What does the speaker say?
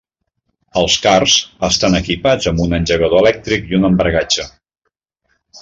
Els karts estan equipats amb un engegador elèctric i un embragatge.